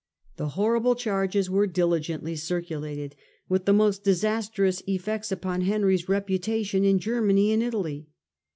The horrible charges were diligently circulated, with the most disastrous effects upon Henry's reputation in Germany and Italy.